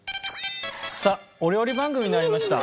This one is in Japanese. さあお料理番組になりました。